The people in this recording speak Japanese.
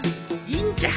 いいんじゃ。